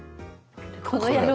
この野郎。